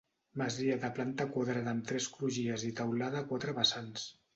Masia de planta quadrada amb tres crugies i teulada a quatre vessants.